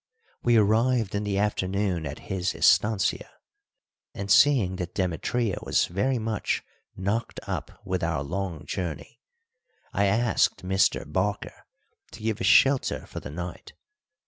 We arrived in the afternoon at his estancia, and, seeing that Demetria was very much knocked up with our long journey, I asked Mr. Barker to give us shelter for the night.